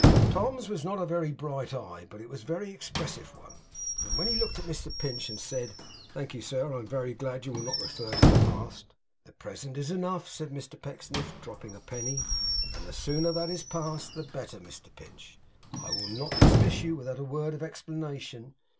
Tom's was not a very bright eye, but it was a very expressive one when he looked at Mr Pecksniff, and said: 'Thank you, sir. I am very glad you will not refer to the past.' 'The present is enough,' said Mr Pecksniff, dropping a penny, 'and the sooner THAT is past, the better. Mr Pinch, I will not dismiss you without a word of explanation.